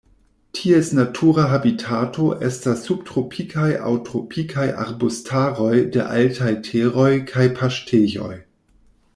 Ties natura habitato estas subtropikaj aŭ tropikaj arbustaroj de altaj teroj kaj paŝtejoj.